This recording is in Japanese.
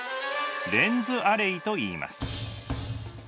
レンズアレイといいます。